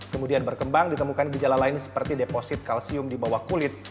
kemudian berkembang ditemukan gejala lain seperti deposit kalsium di bawah kulit